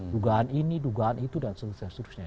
dugaan ini dugaan itu dan seterusnya